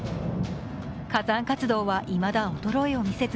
火山活動は、いまだ衰えを見せず